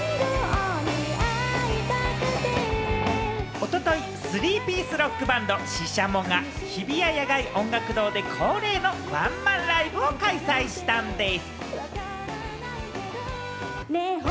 おととい、スリーピースロックバンド・ＳＨＩＳＨＡＭＯが日比谷野外音楽堂で恒例のワンマンライブを開催したんでぃす。